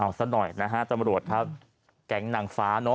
เอาซะหน่อยนะฮะตำรวจครับแก๊งนางฟ้าเนอะ